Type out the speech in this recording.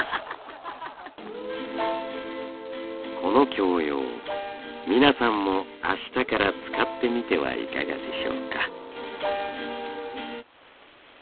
この教養皆さんも明日から使ってみてはいかがでしょうか？